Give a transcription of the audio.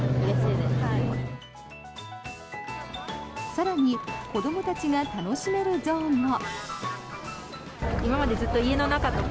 更に、子どもたちが楽しめるゾーンも。